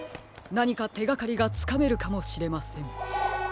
なにかてがかりがつかめるかもしれません。